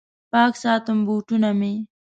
پاک ساتم بوټونه مې